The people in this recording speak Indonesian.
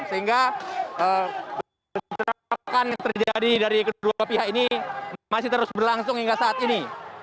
sehingga bentrokan yang terjadi dari kedua pihak ini masih terus berlangsung hingga saat ini